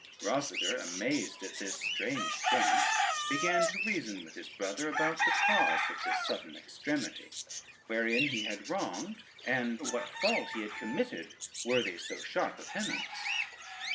Rosader, amazed at this strange chance, began to reason with his brother about the cause of this sudden extremity, wherein he had wronged, and what fault he had committed worthy so sharp a penance.